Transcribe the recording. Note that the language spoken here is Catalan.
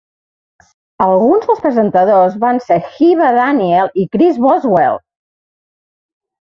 Alguns dels presentadors van ser Hiba Daniel i Kris Boswell.